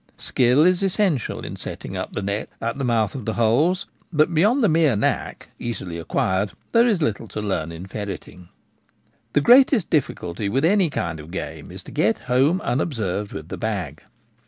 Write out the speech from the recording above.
Skill is essential in setting up the nets at the mouth of the holes ; but beyond the mere knack, easily acquired, there is little to learn in ferret ing. The greatest difficulty with any kind of game is to get home unobserved with the bag.